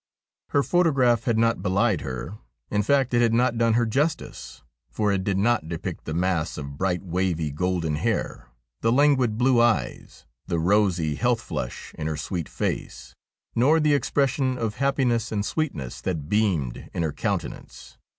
Her photograph had not belied her. In fact it had not done her justice, for it did not depict the mass of bright, wavy, golden hair, the languid, blue eyes, the rosy health flush in her sweet face, nor the expression of happiness and sweetness that beamed in her countenance.